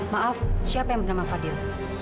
maaf siapa yang bernama fadil